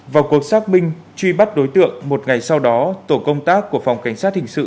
vào cuộc xác minh truy bắt đối tượng một ngày sau đó tổ công tác của phòng cảnh sát hình sự